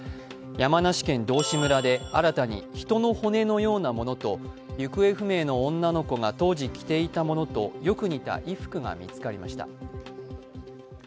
山梨県道志村で新たに人の骨のようなものと行方不明の女の子が当時着ていたものとよく似た衣服が見つかりました。